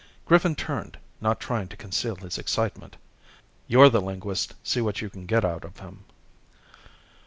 Griffin turned, not trying to conceal his excitement. "You're the linguist, see what you can get out of him."